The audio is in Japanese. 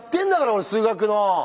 俺数学の。